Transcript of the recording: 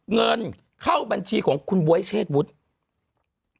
เงินเข้าบัญชีของคุณบ๊วยเชษวุฒิ